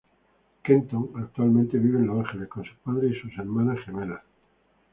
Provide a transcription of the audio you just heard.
Kenton actualmente vive en Los Ángeles con sus padres y sus hermanas gemelas.